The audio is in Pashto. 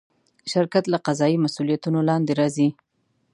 شرکت له قضایي مسوولیتونو لاندې راځي.